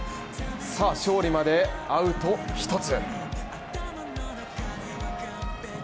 勝利までアウト１つ。